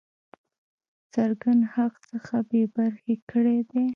څرګند حق څخه بې برخي کړی دی.